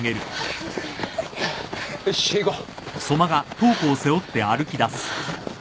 よし行こう。